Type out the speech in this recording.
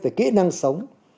về kỹ năng sống